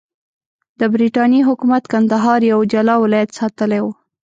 د برټانیې حکومت کندهار یو جلا ولایت ساتلی وو.